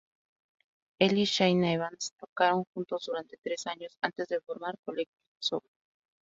Él y Shane Evans tocaron juntos durante tres años antes de formar Collective Soul.